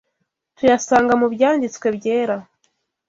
tuyasanga mu Byanditswe Byera